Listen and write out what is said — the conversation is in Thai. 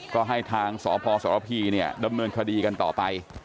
ก็ให้ทางสพสรพีเนี่ยดำเนินคดีกันต่อไป